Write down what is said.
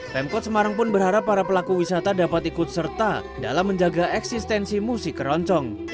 pemkot semarang pun berharap para pelaku wisata dapat ikut serta dalam menjaga eksistensi musik keroncong